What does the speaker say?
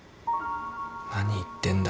何言ってんだ。